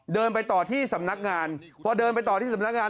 เดินไปต่อที่สำนักงานพอเดินไปต่อที่สำนักงาน